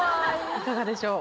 いかがでしょう？